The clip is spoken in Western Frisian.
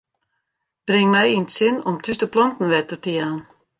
Bring my yn it sin om thús de planten wetter te jaan.